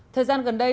thời gian gần đây